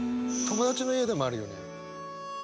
友達の家でもあるよね！